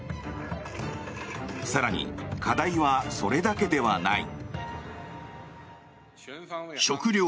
更に、課題はそれだけではない。